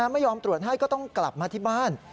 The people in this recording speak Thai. ไม่ยอมตรวจให้ก็ต้องกลับมาที่บ้าน